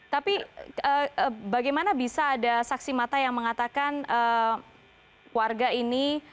tapi bagaimana bisa ada saksi mata yang mengatakan warga ini